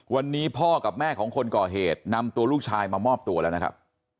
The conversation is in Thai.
วันนี้พ่อกับแม่ของคนก่อเหตุนำตัวลูกชายมามอบตัวแล้วนะครับ